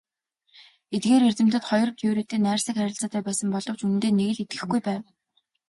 Эдгээр эрдэмтэд хоёр Кюретэй найрсаг харилцаатай байсан боловч үнэндээ нэг л итгэхгүй байв.